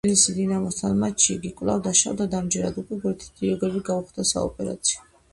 თბილისი „დინამოსთან“ მატჩში იგი კვლავ დაშავდა და ამჯერად უკვე გვერდითი იოგები გაუხდა საოპერაციო.